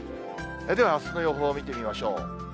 では、あすの予報を見てみましょう。